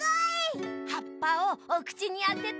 はっぱをおくちにあてて。